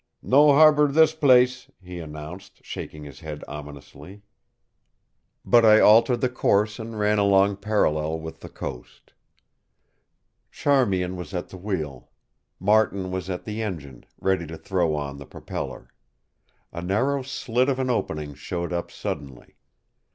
"No harbour this place," he announced, shaking his head ominously. But I altered the course and ran along parallel with the coast. Charmian was at the wheel. Martin was at the engine, ready to throw on the propeller. A narrow slit of an opening showed up suddenly.